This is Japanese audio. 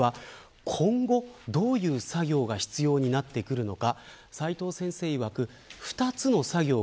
今後どういう作業が必要になるのか。